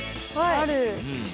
はい。